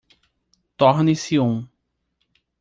Torne-se um